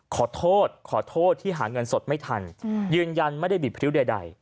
ขอโทษขอโทษที่หาเงินสดไม่ทันยืนยันไม่ได้บิดพริ้วใด